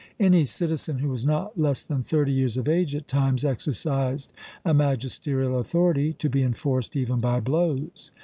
Any citizen who was not less than thirty years of age at times exercised a magisterial authority, to be enforced even by blows.